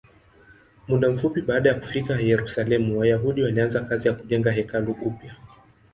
Muda mfupi baada ya kufika Yerusalemu, Wayahudi walianza kazi ya kujenga hekalu upya.